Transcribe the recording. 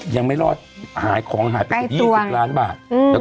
ยังไม่รอดหายของหายไปกว่า๒๐ล้านบาทใกล้ตัว